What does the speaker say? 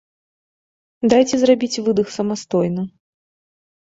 Дайце зрабіць выдых самастойна.